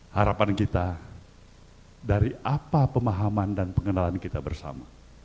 harapan kita dari apa pemahaman dan pengenalan kita bersama